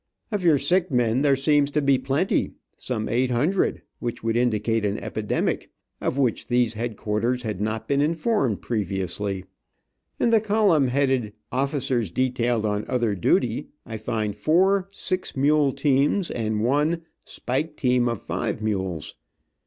Of your sick men there seems to be plenty, some eight hundred, which would indicate an epidemic, of which these headquarters had not been informed previously. In the column headed "officers detailed on other duty" I find four "six mule teams," and one "spike team of five mules."